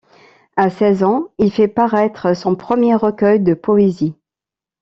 À seize ans il fait paraître son premier recueil de poésies.